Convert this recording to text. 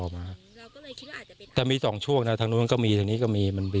มันมี๒ช่วงนะทางนู้นก็มีทางนี้ก็มี